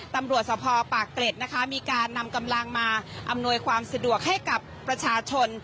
ตำรวจสภปากเกร็ดนะคะมีการนำกำลังมาอำนวยความสะดวกให้กับประชาชน